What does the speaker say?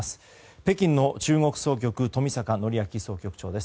北京の中国総局冨坂範明総局長です。